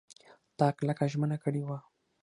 تا کلکه ژمنه کړې وه !